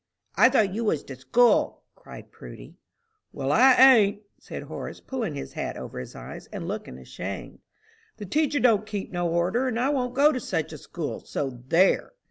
"I thought you was to school!" cried Prudy. "Well, I ain't," said Horace, pulling his hat over his eyes, and looking ashamed. "The teacher don't keep no order, and I won't go to such a school, so there!"